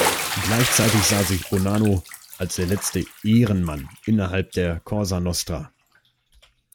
Gleichzeitig sah sich Bonanno als der letzte „Ehrenmann“ innerhalb der Cosa Nostra.